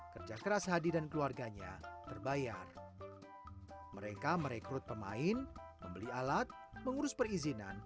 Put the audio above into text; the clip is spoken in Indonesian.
kerja keras hadi dan keluarganya terbayar mereka merekrut pemain membeli alat mengurus perizinan